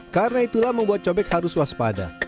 karena itulah membuat cobek harus waspada